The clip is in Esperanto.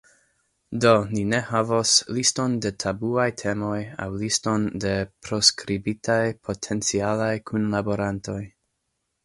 Do, ni ne havos liston de tabuaj temoj aŭ liston de proskribitaj potencialaj kunlaborantoj.